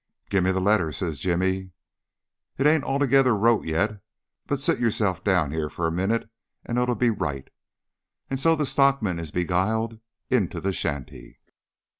"Give me the letter," says Jimmy. "It ain't altogether wrote yet, but you sit down here for a minute and it'll be right," and so the stockman is beguiled into the shanty.